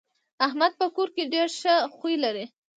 احمد په کور کې ډېر ښه خوی لري.